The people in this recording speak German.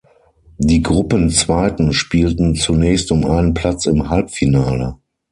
Die Gruppenzweiten spielten zunächst um einen Platz im Halbfinale.